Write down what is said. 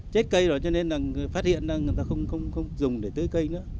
chết cây rồi cho nên phát hiện người ta không dùng để tưới cây nữa